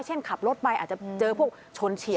เช่นขับรถไปอาจจะเจอพวกชนเฉียว